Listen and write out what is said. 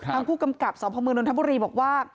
ทางผู้กำกับสมนทัพบุรีบอกว่า